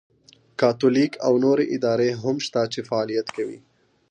کاتولیک او نورې ادارې هم شته چې فعالیت کوي.